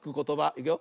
いくよ。